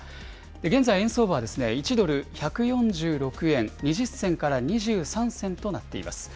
現在、円相場は１ドル１４６円２０銭から２３銭となっています。